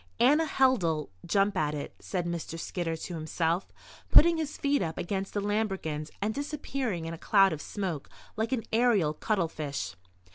"Anna Held'll jump at it," said Mr. Skidder to himself, putting his feet up against the lambrequins and disappearing in a cloud of smoke like an aerial cuttlefish.